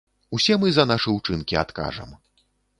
Усе мы за нашы ўчынкі адкажам.